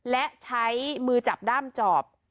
และใช้มือจับด้ามจอบ